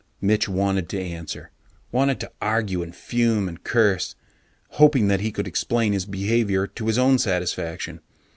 Mitch wanted to answer, wanted to argue and fume and curse, hoping that he could explain his behaviour to his own satisfaction.